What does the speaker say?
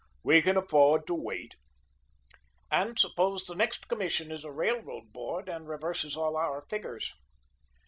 We can afford to wait." "And suppose the next commission is a railroad board, and reverses all our figures?"